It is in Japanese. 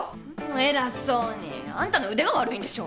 偉そうに！あんたの腕が悪いんでしょ！